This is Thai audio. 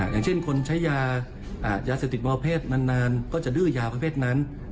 อย่างเช่นคนใช้ยาเศรษฐกิจมหาว่าเพศนานก็จะดื้อยาว่าเพศนั้น